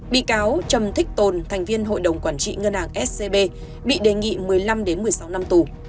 bị cáo trầm thích tồn thành viên hội đồng quản trị ngân hàng scb bị đề nghị một mươi năm một mươi sáu năm tù